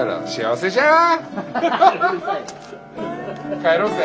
帰ろうぜ！